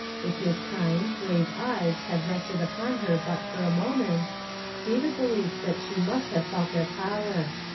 If his kind, grave eyes had rested upon her but for a moment, David believed that she nnist have felt their [.ower.